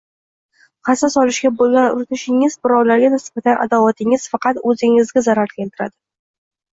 Qasos olishga bo‘lgan urinishingiz, birovlarga nisbatan adovatingiz faqat o‘zingizga zarar keltiradi.